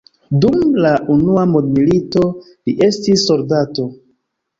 Dum la unua mondmilito li estis soldato.